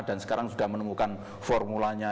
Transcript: dan sekarang sudah menemukan formulanya